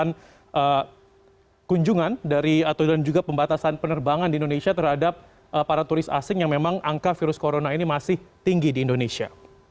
dan ini juga membuat kunjungan dari atau juga pembatasan penerbangan di indonesia terhadap para turis asing yang memang angka virus corona ini masih tinggi di indonesia